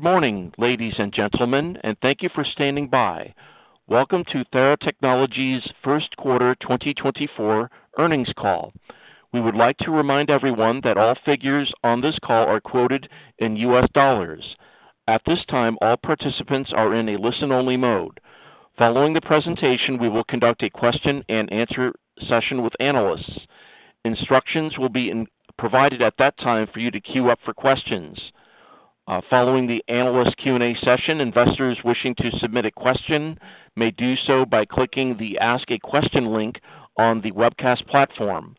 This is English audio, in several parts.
Good morning, ladies and gentlemen, and thank you for standing by. Welcome to Theratechnologies' first quarter 2024 earnings call. We would like to remind everyone that all figures on this call are quoted in US dollars. At this time, all participants are in a listen-only mode. Following the presentation, we will conduct a question-and-answer session with analysts. Instructions will be provided at that time for you to queue up for questions. Following the analyst Q&A session, investors wishing to submit a question may do so by clicking the Ask a Question link on the webcast platform.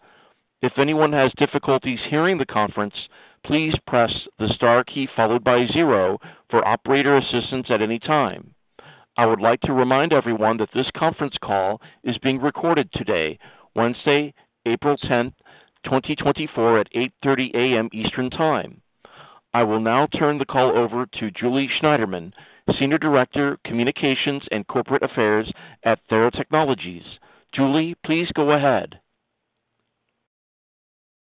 If anyone has difficulties hearing the conference, please press the star key followed by zero for operator assistance at any time. I would like to remind everyone that this conference call is being recorded today, Wednesday, April 10th, 2024 at 8:30 A.M. Eastern Time. I will now turn the call over to Julie Schneiderman, Senior Director, Communications and Corporate Affairs at Theratechnologies. Julie, please go ahead.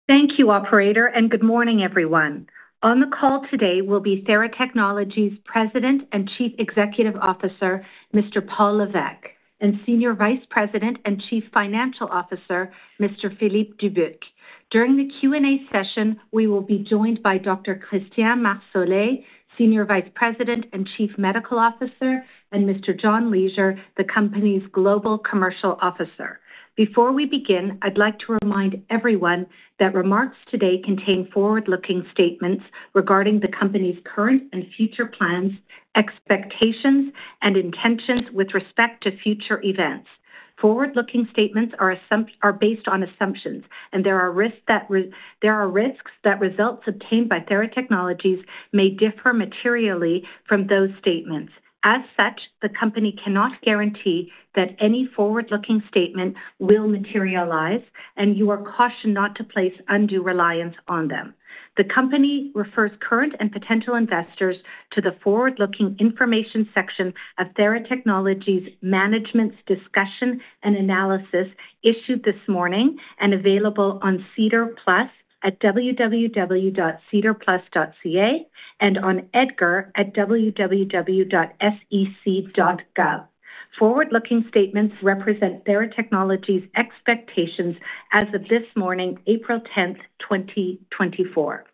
Thank you, operator, and good morning, everyone. On the call today will be Theratechnologies' President and Chief Executive Officer, Mr. Paul Lévesque, and Senior Vice President and Chief Financial Officer, Mr. Philippe Dubuc. During the Q&A session, we will be joined by Dr. Christian Marsolais, Senior Vice President and Chief Medical Officer, and Mr. John Leasure, the company's Global Commercial Officer. Before we begin, I'd like to remind everyone that remarks today contain forward-looking statements regarding the company's current and future plans, expectations, and intentions with respect to future events. Forward-looking statements are based on assumptions, and there are risks that results obtained by Theratechnologies may differ materially from those statements. As such, the company cannot guarantee that any forward-looking statement will materialize, and you are cautioned not to place undue reliance on them. The company refers current and potential investors to the forward-looking information section of Theratechnologies' Management's Discussion and Analysis issued this morning and available on SEDAR+ at www.sedarplus.ca and on EDGAR at www.sec.gov. Forward-looking statements represent Theratechnologies' expectations as of this morning, April 10th, 2024.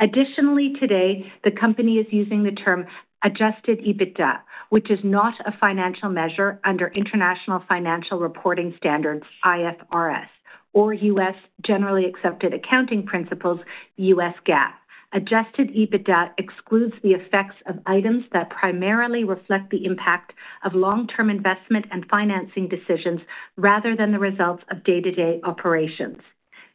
Additionally, today, the company is using the term Adjusted EBITDA, which is not a financial measure under International Financial Reporting Standards IFRS or U.S. Generally Accepted Accounting Principles, U.S. GAAP. Adjusted EBITDA excludes the effects of items that primarily reflect the impact of long-term investment and financing decisions rather than the results of day-to-day operations.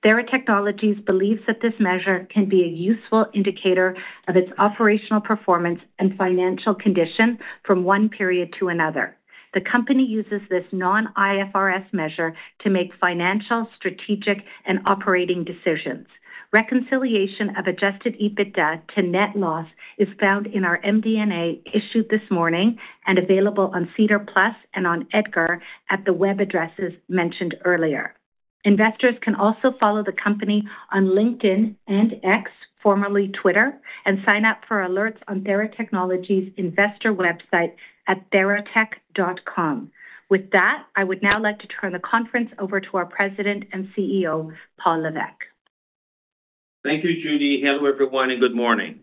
Theratechnologies believes that this measure can be a useful indicator of its operational performance and financial condition from one period to another. The company uses this non-IFRS measure to make financial, strategic, and operating decisions. Reconciliation of Adjusted EBITDA to net loss is found in our MD&A issued this morning and available on SEDAR+ and on EDGAR at the web addresses mentioned earlier. Investors can also follow the company on LinkedIn and X, formerly Twitter, and sign up for alerts on Theratechnologies' investor website at theratechnologies.com. With that, I would now like to turn the conference over to our President and CEO, Paul Lévesque. Thank you, Julie. Hello, everyone, and good morning.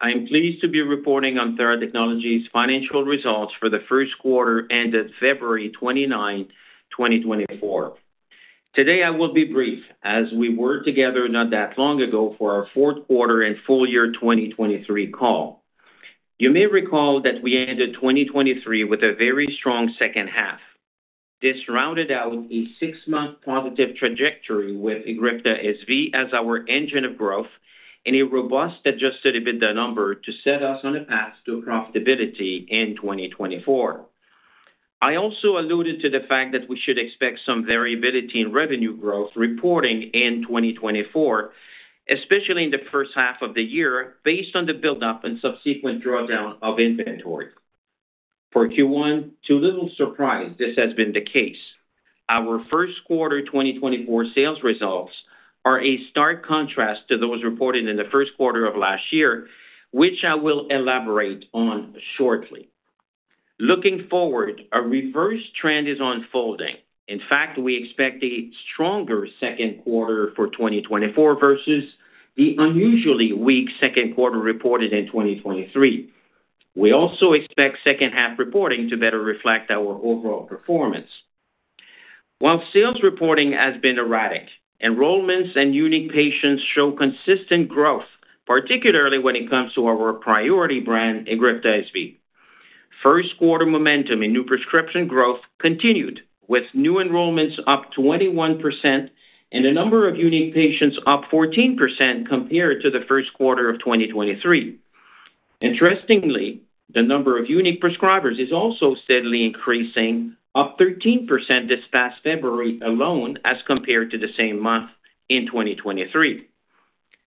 I am pleased to be reporting on Theratechnologies' financial results for the first quarter ended February 29th, 2024. Today, I will be brief, as we were together not that long ago for our fourth quarter and full year 2023 call. You may recall that we ended 2023 with a very strong second half. This rounded out a six-month positive trajectory with EGRIFTA SV as our engine of growth and a robust Adjusted EBITDA number to set us on a path to profitability in 2024. I also alluded to the fact that we should expect some variability in revenue growth reporting in 2024, especially in the first half of the year based on the buildup and subsequent drawdown of inventory. For Q1, to little surprise, this has been the case. Our first quarter 2024 sales results are a stark contrast to those reported in the first quarter of last year, which I will elaborate on shortly. Looking forward, a reverse trend is unfolding. In fact, we expect a stronger second quarter for 2024 versus the unusually weak second quarter reported in 2023. We also expect second-half reporting to better reflect our overall performance. While sales reporting has been erratic, enrollments and unique patients show consistent growth, particularly when it comes to our priority brand, EGRIFTA SV. First quarter momentum in new prescription growth continued, with new enrollments up 21% and a number of unique patients up 14% compared to the first quarter of 2023. Interestingly, the number of unique prescribers is also steadily increasing, up 13% this past February alone as compared to the same month in 2023.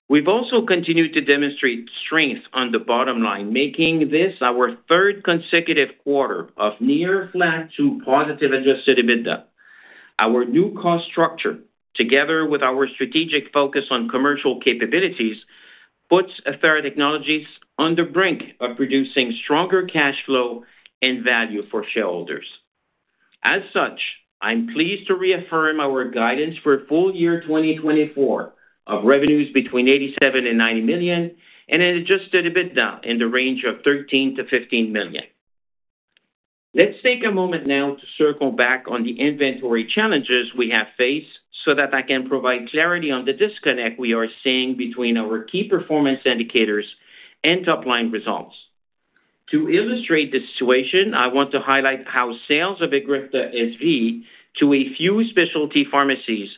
We've also continued to demonstrate strength on the bottom line, making this our third consecutive quarter of near-flat to positive Adjusted EBITDA. Our new cost structure, together with our strategic focus on commercial capabilities, puts Theratechnologies on the brink of producing stronger cash flow and value for shareholders. As such, I'm pleased to reaffirm our guidance for a full year 2024 of revenues between $87 million-$90 million and an Adjusted EBITDA in the range of $13 million-$15 million. Let's take a moment now to circle back on the inventory challenges we have faced so that I can provide clarity on the disconnect we are seeing between our key performance indicators and top-line results. To illustrate this situation, I want to highlight how sales of EGRIFTA SV to a few specialty pharmacies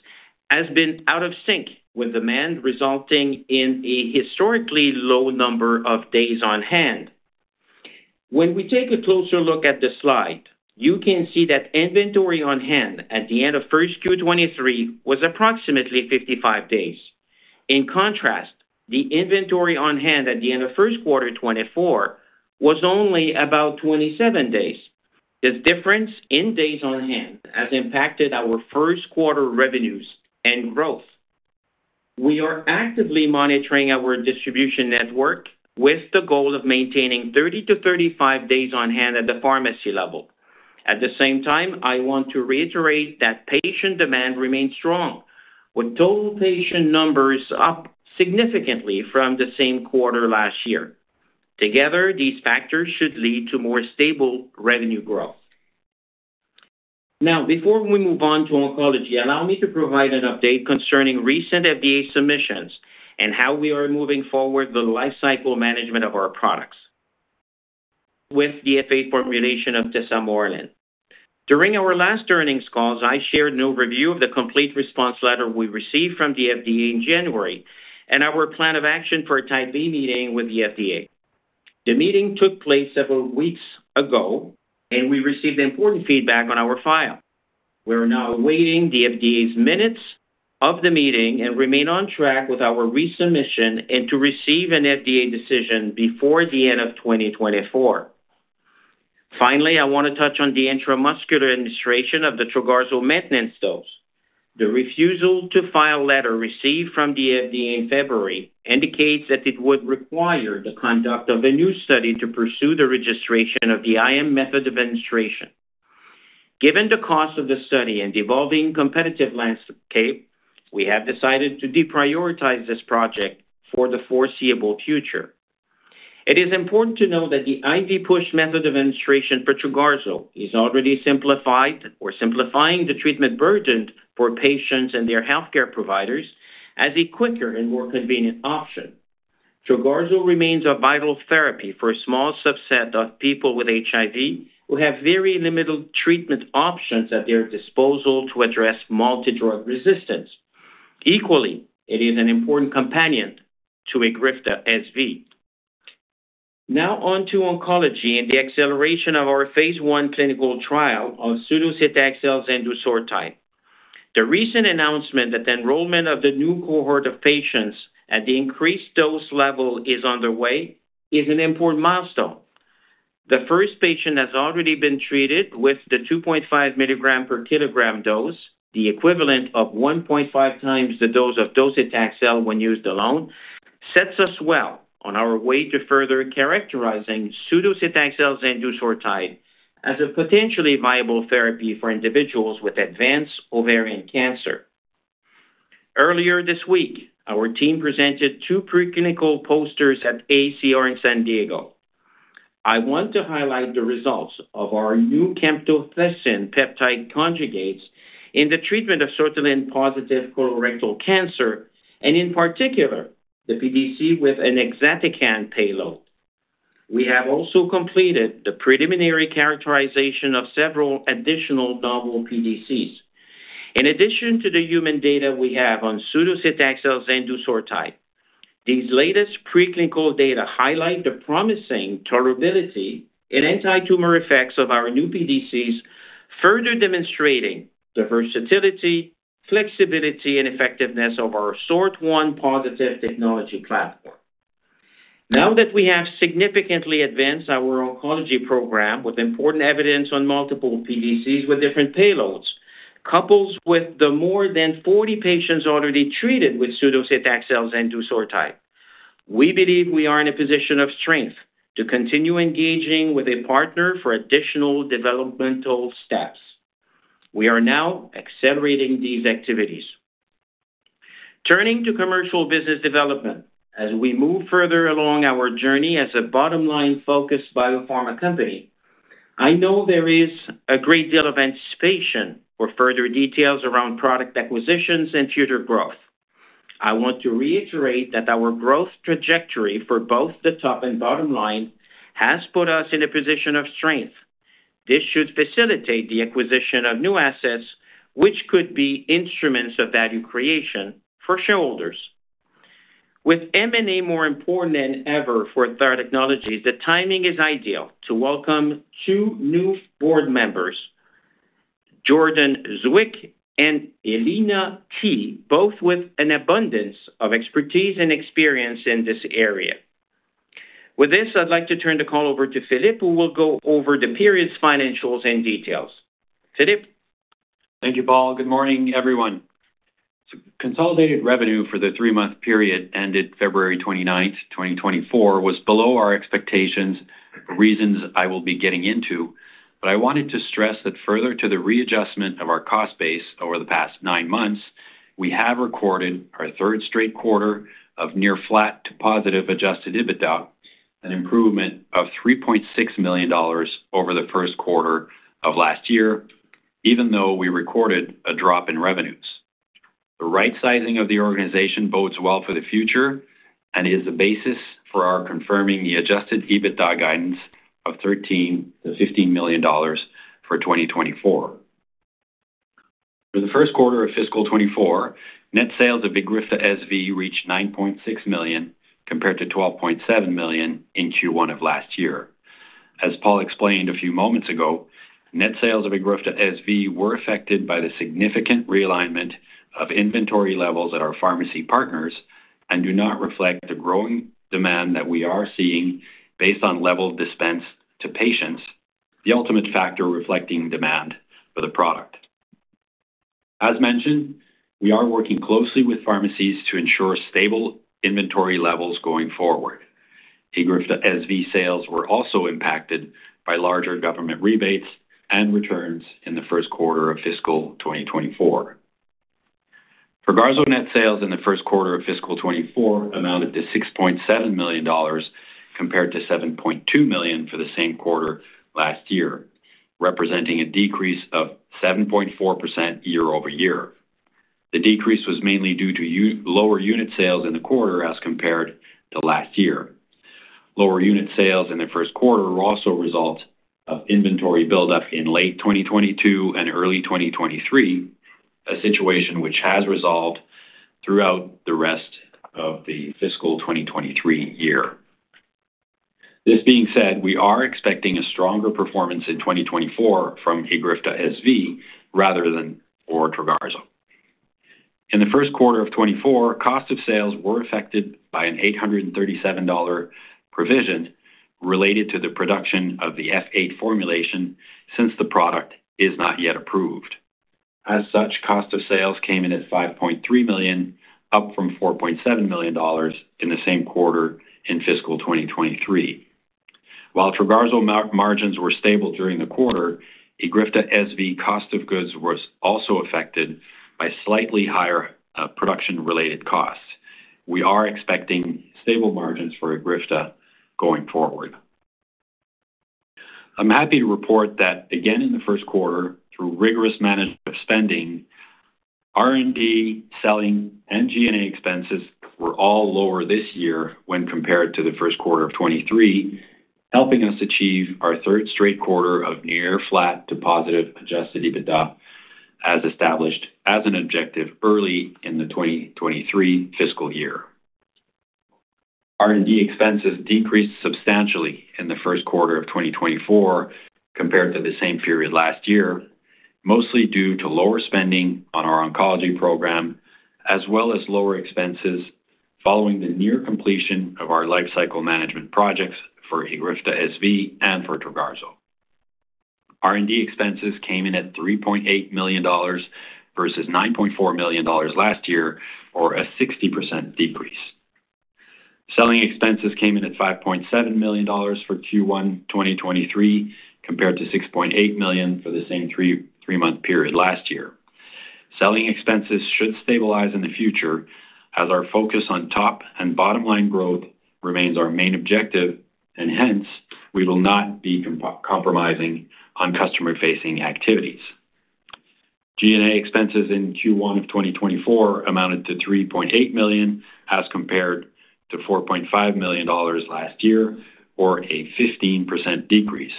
has been out of sync with demand, resulting in a historically low number of days on hand. When we take a closer look at the slide, you can see that inventory on hand at the end of first quarter 2023 was approximately 55 days. In contrast, the inventory on hand at the end of first quarter 2024 was only about 27 days. This difference in days on hand has impacted our first quarter revenues and growth. We are actively monitoring our distribution network with the goal of maintaining 30 days-35 days on hand at the pharmacy level. At the same time, I want to reiterate that patient demand remains strong, with total patient numbers up significantly from the same quarter last year. Together, these factors should lead to more stable revenue growth. Now, before we move on to oncology, allow me to provide an update concerning recent FDA submissions and how we are moving forward the lifecycle management of our products. With the F8 formulation of tesamorelin. During our last earnings calls, I shared an overview of the Complete Response Letter we received from the FDA in January and our plan of action for a Type B meeting with the FDA. The meeting took place several weeks ago, and we received important feedback on our file. We are now awaiting the FDA's minutes of the meeting and remain on track with our resubmission and to receive an FDA decision before the end of 2024. Finally, I want to touch on the intramuscular administration of the TROGARZO maintenance dose. The Refusal to File letter received from the FDA in February indicates that it would require the conduct of a new study to pursue the registration of the IM method of administration. Given the cost of the study and the evolving competitive landscape, we have decided to deprioritize this project for the foreseeable future. It is important to note that the IV push method of administration for TROGARZO is already simplified or simplifying the treatment burden for patients and their healthcare providers as a quicker and more convenient option. TROGARZO remains a vital therapy for a small subset of people with HIV who have very limited treatment options at their disposal to address multi-drug resistance. Equally, it is an important companion to EGRIFTA SV. Now onto oncology and the acceleration of our phase I clinical trial of TH1902. The recent announcement that the enrollment of the new cohort of patients at the increased dose level is underway is an important milestone. The first patient has already been treated with the 2.5 mg per kg dose, the equivalent of 1.5x the dose of docetaxel when used alone, sets us well on our way to further characterizing TH1902 and docetaxel as a potentially viable therapy for individuals with advanced ovarian cancer. Earlier this week, our team presented two preclinical posters at AACR in San Diego. I want to highlight the results of our new camptothecin peptide conjugates in the treatment of SORT1-positive colorectal cancer and, in particular, the PDC with an exatecan payload. We have also completed the preliminary characterization of several additional novel PDCs. In addition to the human data we have on TH1902 and docetaxel, these latest preclinical data highlight the promising tolerability and anti-tumor effects of our new PDCs, further demonstrating the versatility, flexibility, and effectiveness of our SORT1+ technology platform. Now that we have significantly advanced our oncology program with important evidence on multiple PDCs with different payloads, coupled with the more than 40 patients already treated with SORT1+ cells and docetaxel, we believe we are in a position of strength to continue engaging with a partner for additional developmental steps. We are now accelerating these activities. Turning to commercial business development, as we move further along our journey as a bottom-line focused biopharma company, I know there is a great deal of anticipation for further details around product acquisitions and future growth. I want to reiterate that our growth trajectory for both the top and bottom line has put us in a position of strength. This should facilitate the acquisition of new assets, which could be instruments of value creation for shareholders. With M&A more important than ever for Theratechnologies, the timing is ideal to welcome two new board members, Jordan Zwick and Elina Tea, both with an abundance of expertise and experience in this area. With this, I'd like to turn the call over to Philippe, who will go over the period's financials and details. Philippe. Thank you, Paul. Good morning, everyone. Consolidated revenue for the three-month period ended February 29th, 2024, was below our expectations, reasons I will be getting into, but I wanted to stress that further to the readjustment of our cost base over the past nine months, we have recorded our third straight quarter of near-flat to positive Adjusted EBITDA, an improvement of $3.6 million over the first quarter of last year, even though we recorded a drop in revenues. The right-sizing of the organization bodes well for the future and is the basis for our confirming the Adjusted EBITDA guidance of $13 million-$15 million for 2024. For the first quarter of fiscal 2024, net sales of EGRIFTA SV reached $9.6 million compared to $12.7 million in Q1 of last year. As Paul explained a few moments ago, net sales of EGRIFTA SV were affected by the significant realignment of inventory levels at our pharmacy partners and do not reflect the growing demand that we are seeing based on level dispense to patients, the ultimate factor reflecting demand for the product. As mentioned, we are working closely with pharmacies to ensure stable inventory levels going forward. EGRIFTA SV sales were also impacted by larger government rebates and returns in the first quarter of fiscal 2024. TROGARZO net sales in the first quarter of fiscal 2024 amounted to $6.7 million compared to $7.2 million for the same quarter last year, representing a decrease of 7.4% year-over-year. The decrease was mainly due to lower unit sales in the quarter as compared to last year. Lower unit sales in the first quarter were also a result of inventory buildup in late 2022 and early 2023, a situation which has resolved throughout the rest of the fiscal 2023 year. This being said, we are expecting a stronger performance in 2024 from EGRIFTA SV rather than for TROGARZO. In the first quarter of 2024, cost of sales were affected by an $837 provision related to the production of the F8 formulation since the product is not yet approved. As such, cost of sales came in at $5.3 million, up from $4.7 million in the same quarter in fiscal 2023. While TROGARZO margins were stable during the quarter, EGRIFTA SV cost of goods was also affected by slightly higher production-related costs. We are expecting stable margins for EGRIFTA going forward. I'm happy to report that, again, in the first quarter, through rigorous management of spending, R&D, selling, and G&A expenses were all lower this year when compared to the first quarter of 2023, helping us achieve our third straight quarter of near-flat to positive adjusted EBITDA as established as an objective early in the 2023 fiscal year. R&D expenses decreased substantially in the first quarter of 2024 compared to the same period last year, mostly due to lower spending on our oncology program as well as lower expenses following the near completion of our lifecycle management projects for EGRIFTA SV and for TROGARZO. R&D expenses came in at $3.8 million versus $9.4 million last year, or a 60% decrease. Selling expenses came in at $5.7 million for Q1 2023 compared to $6.8 million for the same three-month period last year. Selling expenses should stabilize in the future as our focus on top and bottom line growth remains our main objective, and hence, we will not be compromising on customer-facing activities. G&A expenses in Q1 of 2024 amounted to $3.8 million as compared to $4.5 million last year, or a 15% decrease.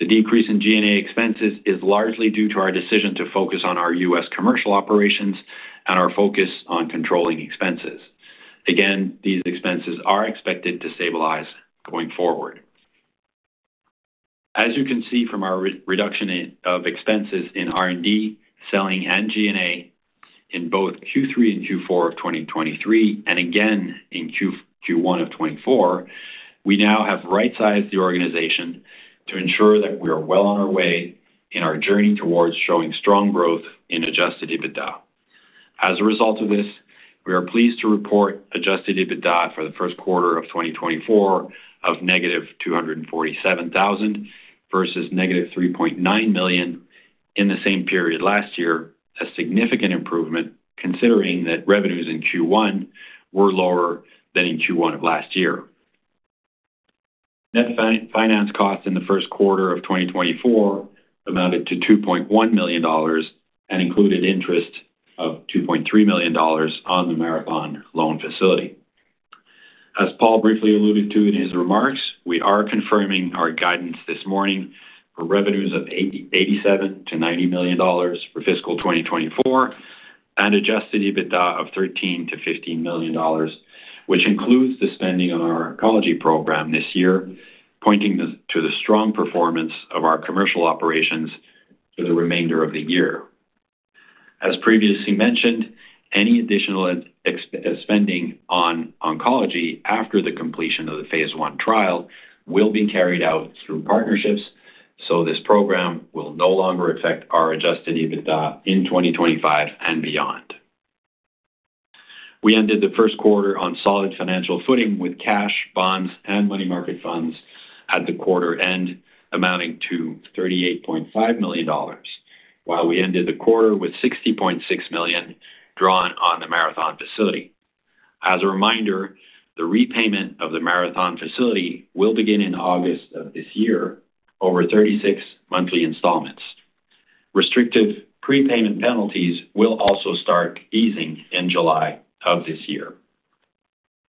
The decrease in G&A expenses is largely due to our decision to focus on our US commercial operations and our focus on controlling expenses. Again, these expenses are expected to stabilize going forward. As you can see from our reduction of expenses in R&D, selling, and G&A in both Q3 and Q4 of 2023 and again in Q1 of 2024, we now have right-sized the organization to ensure that we are well on our way in our journey towards showing strong growth in Adjusted EBITDA. As a result of this, we are pleased to report adjusted EBITDA for the first quarter of 2024 of -$247,000 versus -$3.9 million in the same period last year, a significant improvement considering that revenues in Q1 were lower than in Q1 of last year. Net finance cost in the first quarter of 2024 amounted to $2.1 million and included interest of $2.3 million on the Marathon loan facility. As Paul briefly alluded to in his remarks, we are confirming our guidance this morning for revenues of $87 million-$90 million for fiscal 2024 and adjusted EBITDA of $13 million-$15 million, which includes the spending on our oncology program this year, pointing to the strong performance of our commercial operations for the remainder of the year. As previously mentioned, any additional spending on oncology after the completion of the phase I trial will be carried out through partnerships, so this program will no longer affect our Adjusted EBITDA in 2025 and beyond. We ended the first quarter on solid financial footing with cash, bonds, and money market funds at the quarter end, amounting to $38.5 million, while we ended the quarter with $60.6 million drawn on the Marathon facility. As a reminder, the repayment of the Marathon facility will begin in August of this year over 36 monthly installments. Restrictive prepayment penalties will also start easing in July of this year.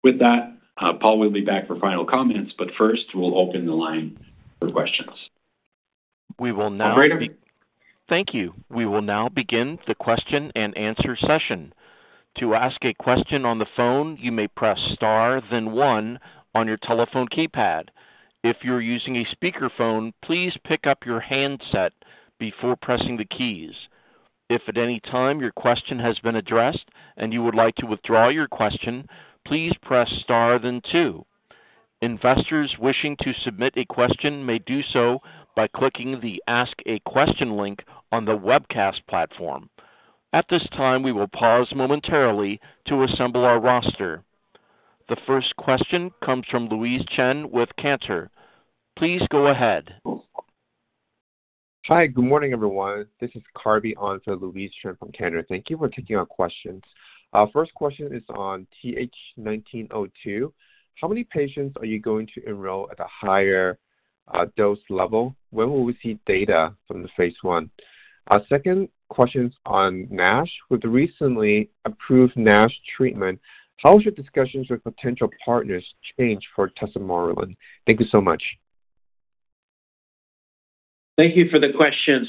With that, Paul will be back for final comments, but first, we'll open the line for questions. We will now. Great. Thank you. We will now begin the question and answer session. To ask a question on the phone, you may press star, then one on your telephone keypad. If you're using a speakerphone, please pick up your handset before pressing the keys. If at any time your question has been addressed and you would like to withdraw your question, please press star, then two. Investors wishing to submit a question may do so by clicking the Ask a Question link on the webcast platform. At this time, we will pause momentarily to assemble our roster. The first question comes from Louise Chen with Cantor. Please go ahead. Hi. Good morning, everyone. This is Carvey on for Louise Chen from Cantor. Thank you for taking our questions. First question is on TH1902. How many patients are you going to enroll at a higher dose level? When will we see data from the phase I? Second question is on NASH. With the recently approved NASH treatment, how should discussions with potential partners change for tesamorelin? Thank you so much. Thank you for the question.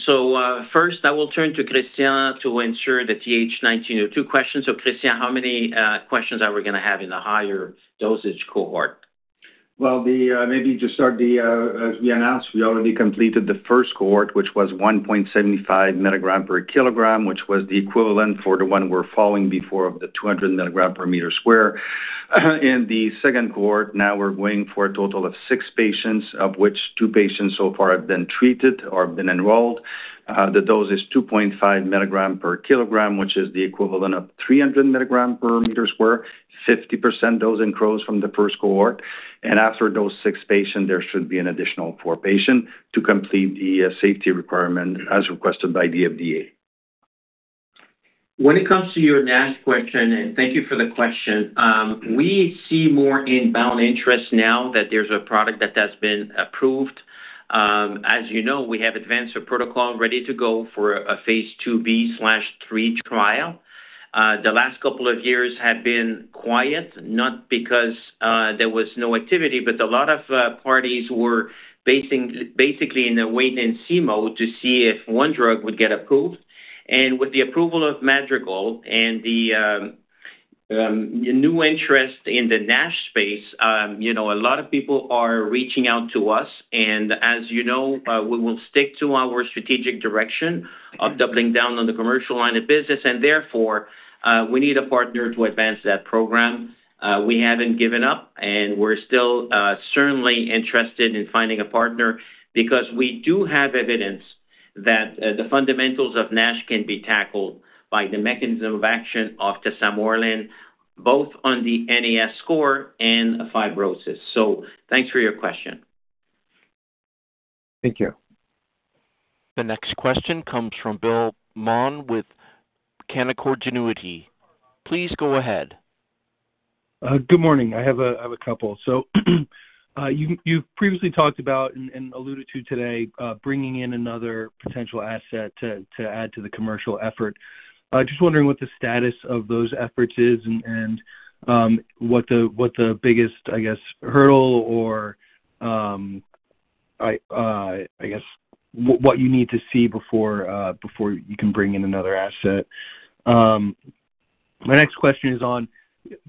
First, I will turn to Christian to answer the TH-1902 question. Christian, how many questions are we going to have in the higher dosage cohort? Well, maybe just start there as we announced, we already completed the first cohort, which was 1.75 mg per kg, which was the equivalent for the one we were following before of the 200 mg per sq m. In the second cohort, now we're going for a total of six patients, of which two patients so far have been treated or have been enrolled. The dose is 2.5 mg per kg, which is the equivalent of 300 mg per sq m, 50% dose increase from the first cohort. And after those six patients, there should be an additional four patients to complete the safety requirement as requested by the FDA. When it comes to your NASH question, and thank you for the question, we see more inbound interest now that there's a product that has been approved. As you know, we have advanced a protocol ready to go for a phase II B/III trial. The last couple of years have been quiet, not because there was no activity, but a lot of parties were basically in a wait-and-see mode to see if one drug would get approved. With the approval of Madrigal and the new interest in the NASH space, a lot of people are reaching out to us. As you know, we will stick to our strategic direction of doubling down on the commercial line of business, and therefore, we need a partner to advance that program. We haven't given up, and we're still certainly interested in finding a partner because we do have evidence that the fundamentals of NASH can be tackled by the mechanism of action of tesamorelin, both on the NAS score and fibrosis. Thanks for your question. Thank you. The next question comes from Bill Maughan with Canaccord Genuity. Please go ahead. Good morning. I have a couple. So you've previously talked about and alluded to today bringing in another potential asset to add to the commercial effort. I'm just wondering what the status of those efforts is and what the biggest, I guess, hurdle or, I guess, what you need to see before you can bring in another asset. My next question is on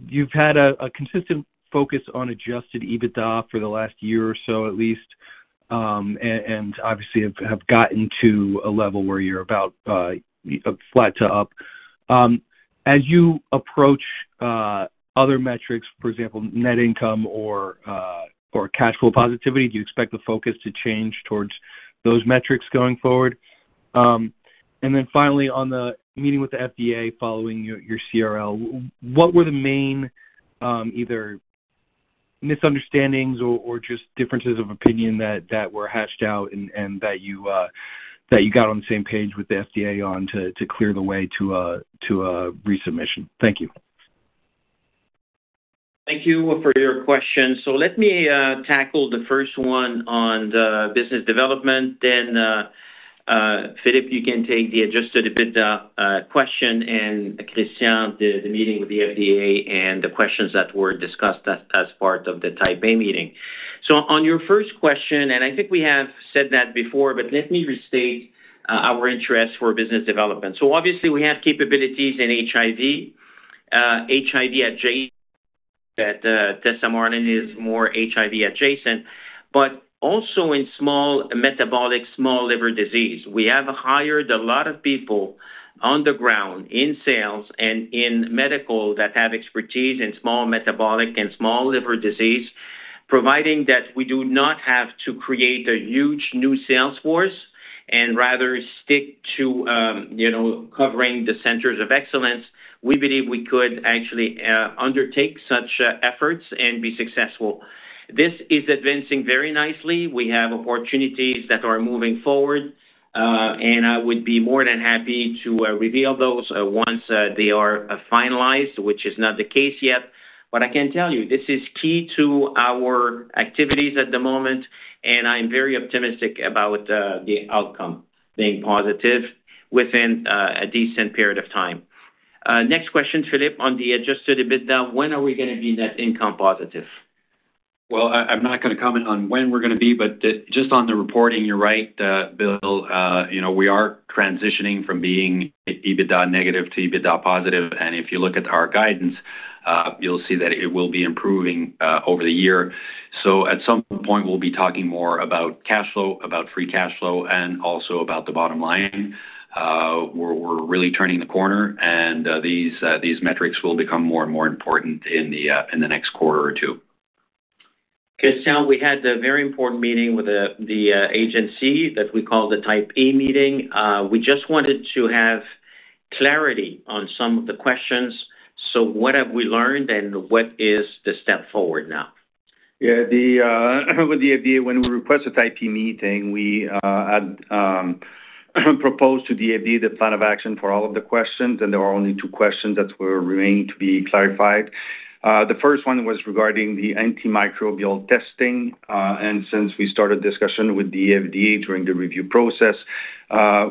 you've had a consistent focus on Adjusted EBITDA for the last year or so at least, and obviously have gotten to a level where you're about flat to up. As you approach other metrics, for example, net income or cash flow positivity, do you expect the focus to change towards those metrics going forward? And then finally, on the meeting with the FDA following your CRL, what were the main either misunderstandings or just differences of opinion that were hashed out and that you got on the same page with the FDA on to clear the way to a resubmission? Thank you. Thank you for your question. So let me tackle the first one on the business development. Then, Philippe, you can take the Adjusted EBITDA question and Christian, the meeting with the FDA and the questions that were discussed as part of the Type A meeting. So on your first question, and I think we have said that before, but let me restate our interest for business development. So obviously, we have capabilities in HIV, HIV adjacent that tesamorelin is more HIV adjacent, but also in small metabolic, small liver disease. We have hired a lot of people on the ground in sales and in medical that have expertise in small metabolic and small liver disease, providing that we do not have to create a huge new sales force and rather stick to covering the centers of excellence. We believe we could actually undertake such efforts and be successful. This is advancing very nicely. We have opportunities that are moving forward, and I would be more than happy to reveal those once they are finalized, which is not the case yet. But I can tell you, this is key to our activities at the moment, and I'm very optimistic about the outcome being positive within a decent period of time. Next question, Philippe, on the Adjusted EBITDA, when are we going to be net income positive? Well, I'm not going to comment on when we're going to be, but just on the reporting, you're right, Bill. We are transitioning from being EBITDA negative to EBITDA positive. And if you look at our guidance, you'll see that it will be improving over the year. So at some point, we'll be talking more about cash flow, about free cash flow, and also about the bottom line. We're really turning the corner, and these metrics will become more and more important in the next quarter or two. Christian, we had a very important meeting with the agency that we call the Type A meeting. We just wanted to have clarity on some of the questions. So what have we learned, and what is the step forward now? Yeah. With the FDA, when we request a Type A meeting, we proposed to the FDA the plan of action for all of the questions, and there are only two questions that were remaining to be clarified. The first one was regarding the antimicrobial testing. And since we started discussion with the FDA during the review process,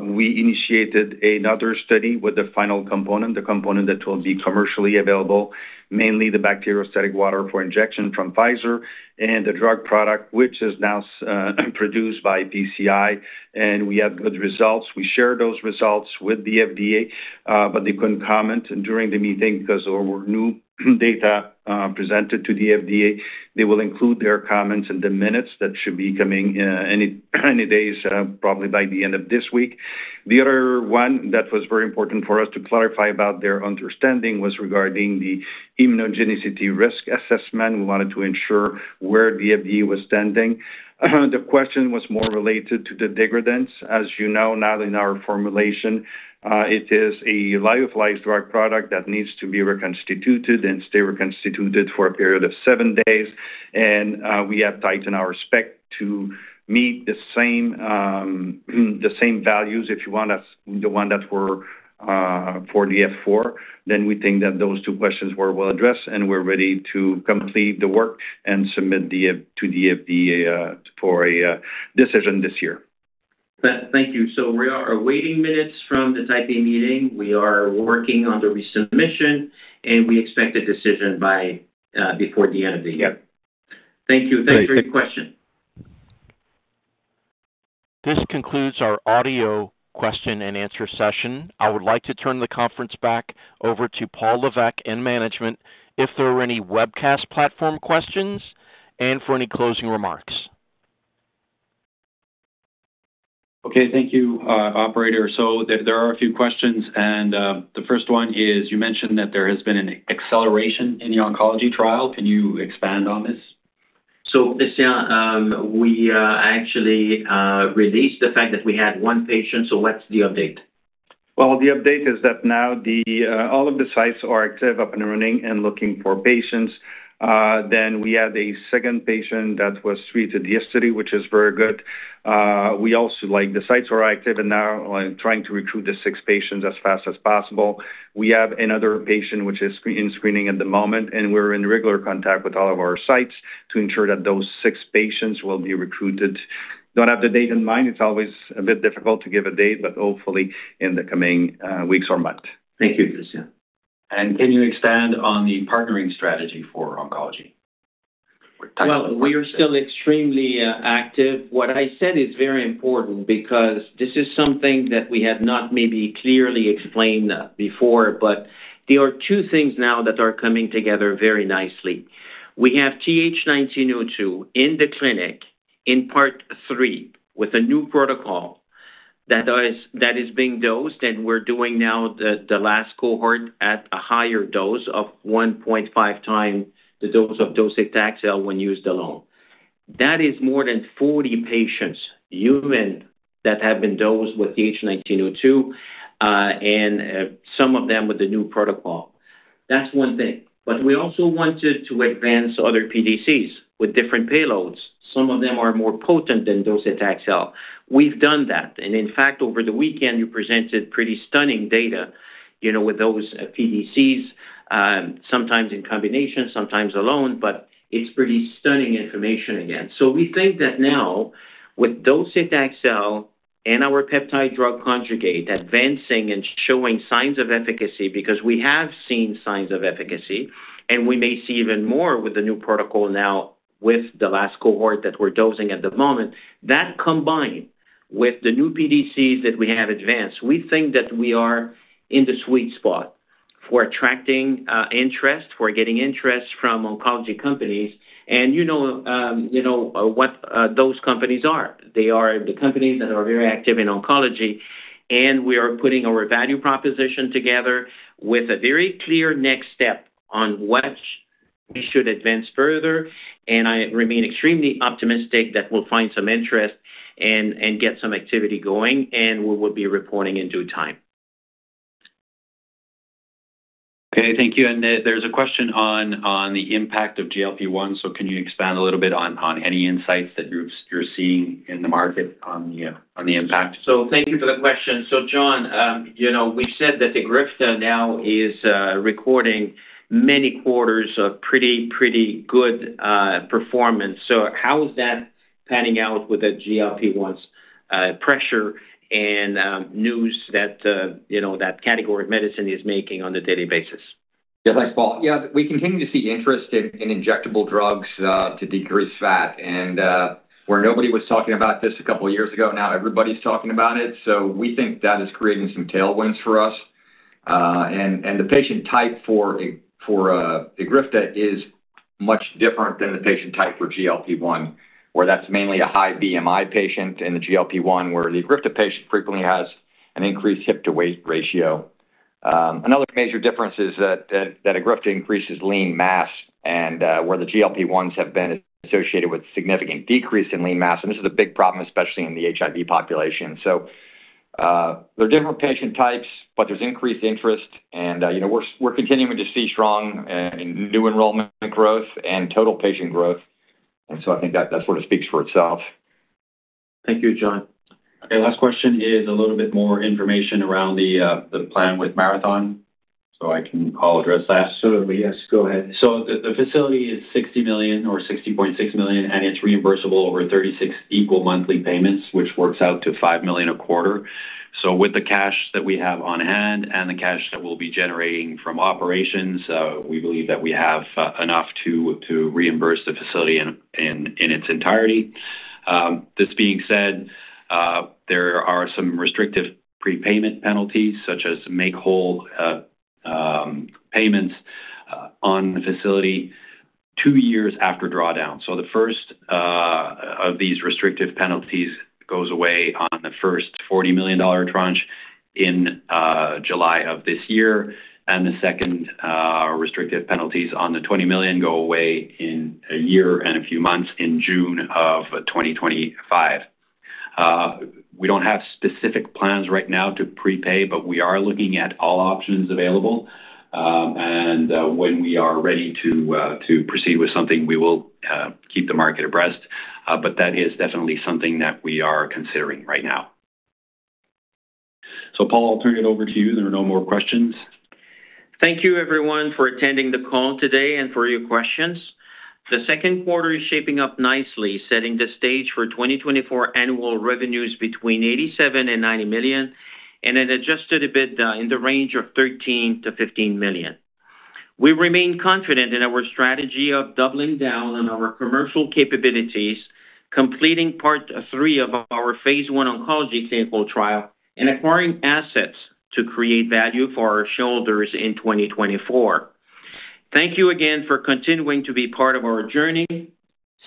we initiated another study with the final component, the component that will be commercially available, mainly the bacteriostatic water for injection from Pfizer and the drug product, which is now produced by PCI. And we have good results. We shared those results with the FDA, but they couldn't comment during the meeting because there were new data presented to the FDA. They will include their comments in the minutes that should be coming any days, probably by the end of this week. The other one that was very important for us to clarify about their understanding was regarding the immunogenicity risk assessment. We wanted to ensure where the FDA was standing. The question was more related to the degradants. As you know, now in our formulation, it is a lyophilized drug product that needs to be reconstituted and stay reconstituted for a period of seven days. And we have tightened our spec to meet the same values, if you want, as the one that were for the F4. Then we think that those two questions were well addressed, and we're ready to complete the work and submit to the FDA for a decision this year. Thank you. So we are awaiting minutes from the Type A meeting. We are working on the resubmission, and we expect a decision before the end of the year. Yep. Thank you. Thanks for your question. This concludes our audio question and answer session. I would like to turn the conference back over to Paul Lévesque in management if there were any webcast platform questions and for any closing remarks. Okay. Thank you, operator. So there are a few questions. The first one is you mentioned that there has been an acceleration in the oncology trial. Can you expand on this? Christian, we actually released the fact that we had one patient. What's the update? Well, the update is that now all of the sites are active, up and running, and looking for patients. Then we had a second patient that was treated yesterday, which is very good. We also, the sites are active, and now trying to recruit the six patients as fast as possible. We have another patient which is in screening at the moment, and we're in regular contact with all of our sites to ensure that those six patients will be recruited. Don't have the date in mind. It's always a bit difficult to give a date, but hopefully in the coming weeks or month. Thank you, Christian. Can you expand on the partnering strategy for oncology? Well, we are still extremely active. What I said is very important because this is something that we had not maybe clearly explained before. But there are two things now that are coming together very nicely. We have TH1902 in the clinic in part three with a new protocol that is being dosed, and we're doing now the last cohort at a higher dose of 1.5x the dose of docetaxel when used alone. That is more than 40 patients, human, that have been dosed with TH1902 and some of them with the new protocol. That's one thing. But we also wanted to advance other PDCs with different payloads. Some of them are more potent than docetaxel. We've done that. And in fact, over the weekend, you presented pretty stunning data with those PDCs, sometimes in combination, sometimes alone, but it's pretty stunning information again. So we think that now with docetaxel and our peptide drug conjugate advancing and showing signs of efficacy because we have seen signs of efficacy, and we may see even more with the new protocol now with the last cohort that we're dosing at the moment, that combined with the new PDCs that we have advanced, we think that we are in the sweet spot for attracting interest, for getting interest from oncology companies. And you know what those companies are. They are the companies that are very active in oncology, and we are putting our value proposition together with a very clear next step on what we should advance further. And I remain extremely optimistic that we'll find some interest and get some activity going, and we will be reporting in due time. Okay. Thank you. There's a question on the impact of GLP-1. Can you expand a little bit on any insights that you're seeing in the market on the impact? So thank you for the question. So, John, we've said that the EGRIFTA now is recording many quarters of pretty, pretty good performance. So how is that panning out with the GLP-1 pressure and news that category of medicine is making on a daily basis? Yeah. Thanks, Paul. Yeah. We continue to see interest in injectable drugs to decrease fat. Where nobody was talking about this a couple of years ago, now everybody's talking about it. So we think that is creating some tailwinds for us. The patient type for EGRIFTA is much different than the patient type for GLP-1, where that's mainly a high BMI patient in the GLP-1, where the EGRIFTA patient frequently has an increased hip-to-waist ratio. Another major difference is that EGRIFTA increases lean mass, where the GLP-1s have been associated with significant decrease in lean mass. This is a big problem, especially in the HIV population. There are different patient types, but there's increased interest. We're continuing to see strong new enrollment growth and total patient growth. So I think that sort of speaks for itself. Thank you, John. Okay. Last question is a little bit more information around the plan with Marathon, so I can address that. Absolutely. Yes. Go ahead. So the facility is $60 million or $60.6 million, and it's reimbursable over 36 equal monthly payments, which works out to $5 million a quarter. So with the cash that we have on hand and the cash that we'll be generating from operations, we believe that we have enough to reimburse the facility in its entirety. This being said, there are some restrictive prepayment penalties such as make whole payments on the facility two years after drawdown. So the first of these restrictive penalties goes away on the first $40 million tranche in July of this year, and the second restrictive penalties on the $20 million go away in a year and a few months in June of 2025. We don't have specific plans right now to prepay, but we are looking at all options available. When we are ready to proceed with something, we will keep the market abreast. But that is definitely something that we are considering right now. So, Paul, I'll turn it over to you. There are no more questions. Thank you, everyone, for attending the call today and for your questions. The second quarter is shaping up nicely, setting the stage for 2024 annual revenues between $87 million-$90 million and an Adjusted EBITDA in the range of $13 million-$15 million. We remain confident in our strategy of doubling down on our commercial capabilities, completing part 3 of our phase I oncology clinical trial, and acquiring assets to create value for our shareholders in 2024. Thank you again for continuing to be part of our journey.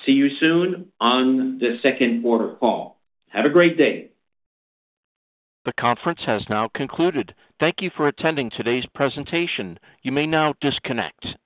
See you soon on the second quarter call. Have a great day. The conference has now concluded. Thank you for attending today's presentation. You may now disconnect.